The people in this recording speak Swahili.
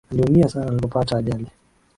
Aliumia sana alipopata ajali